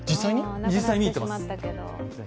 実際見に行っています。